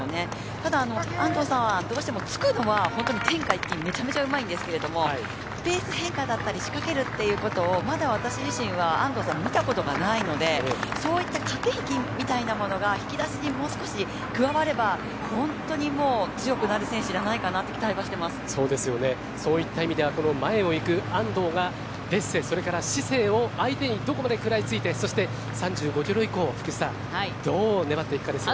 ただ、安藤さんはどうしてもつくのは本当に天下一品めちゃめちゃうまいんですけどペース変化だったり仕掛けるっていうことをまだ私自身は安藤さん見たことがないのでそういった駆け引きみたいなものが引き出しにもう少し加われば本当にもう強くなる選手だとそういった意味ではこの前を行く安藤がデッセ、それからシセイを相手にどこまで食らいついてそして３５キロ以降福士さんどう粘っていくかですよね。